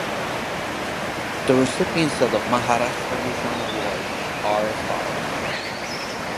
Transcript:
The recipients of the Maharashtra Bhushan award are as follows